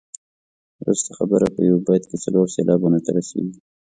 وروسته خبره په یو بیت کې څلور سېلابونو ته رسيږي.